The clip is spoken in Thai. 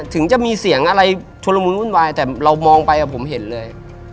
ถึงจะมีเสียงอะไรชุลมุนวุ่นวายแต่เรามองไปผมเห็นเลย